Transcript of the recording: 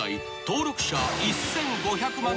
登録者１，５００万